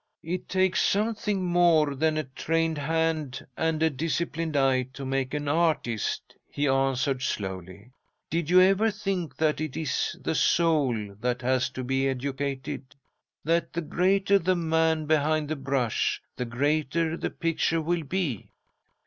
"It takes something more than a trained hand and a disciplined eye to make an artist," he answered, slowly. "Did you ever think that it is the soul that has to be educated? That the greater the man behind the brush, the greater the picture will be?